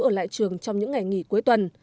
ở lại trường trong những ngày nghỉ cuối tuần